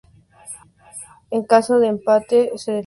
En caso de empate se define por tiros desde el punto penal.